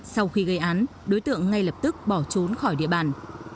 sau khi gây án đối tượng ngay lập tức bỏ trốn khỏi địa bàn